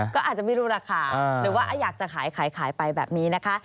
ก็อาจจะไม่รู้ราคาหรือว่าอยากจะขายขายไปแบบนี้นะคะ